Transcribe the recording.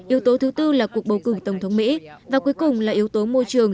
yếu tố thứ tư là cuộc bầu cử tổng thống mỹ và cuối cùng là yếu tố môi trường